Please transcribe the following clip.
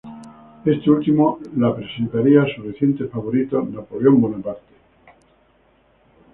Este último la presentaría a su reciente favorito Napoleón Bonaparte.